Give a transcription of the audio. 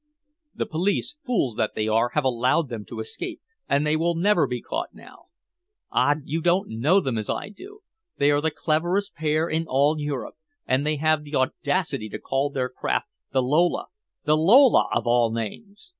"The police, fools that they are, have allowed them to escape, and they will never be caught now. Ah! you don't know them as I do! They are the cleverest pair in all Europe. And they have the audacity to call their craft the Lola the Lola, of all names!"